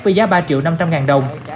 với giá ba triệu năm trăm linh ngàn đồng